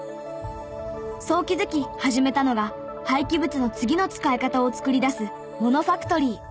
そう気づき始めたのが廃棄物の次の使い方を作り出すモノ：ファクトリー。